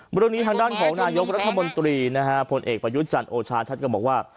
บริโรคนี้ทางด้านของนายกรัฐมนตรีผลเอกประยุจันทร์โอชาชันก็บอกว่า